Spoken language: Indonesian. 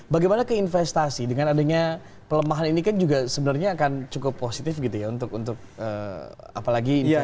bagaimana keinvestasi dengan adanya pelemahan ini kan juga sebenarnya akan cukup positif gitu ya untuk apalagi investasi